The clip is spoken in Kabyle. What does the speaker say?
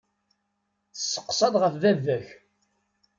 Tesseqsaḍ ɣef baba-k.